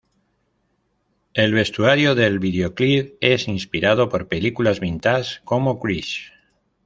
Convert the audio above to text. El vestuario del videoclip es inspirado por películas vintage como "Grease".